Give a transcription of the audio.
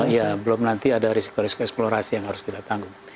iya belum nanti ada risko risko eksplorasi yang harus kita tanggung